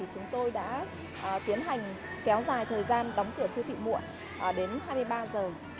chúng tôi đã tiến hành kéo dài thời gian đóng cửa siêu thị muộn đến hai mươi ba giờ